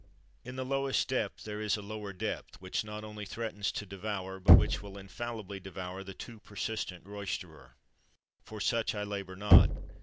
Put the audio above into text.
_ In the lowest depth there is a lower depth, which not only threatens to devour, but which will infallibly devour the too persistent roysterer. For such I labour not.